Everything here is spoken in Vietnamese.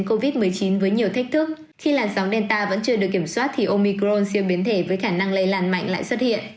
khi làn sóng delta vẫn chưa được kiểm soát thì omicron siêu biến thể với khả năng lây làn mạnh lại xuất hiện